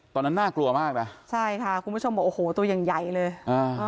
น่ากลัวมากนะใช่ค่ะคุณผู้ชมบอกโอ้โหตัวอย่างใหญ่เลยอ่า